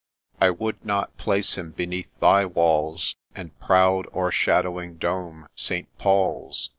I would not place him beneath thy walls, And proud o'ershadowing dome, St. Paul's